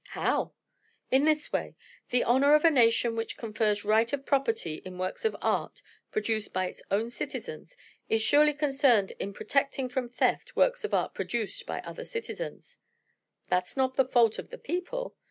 "How?" "In this way. The honor of a nation which confers right of property in works of art, produced by its own citizens, is surely concerned in protecting from theft works of art produced by other citizens." "That's not the fault of the people."